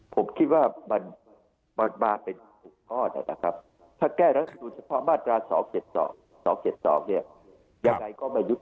ผมคิดว่ามันมาเป็น๖ข้อนะครับถ้าแก้รัฐมนูลสภามาตรา๒๗๒เนี่ย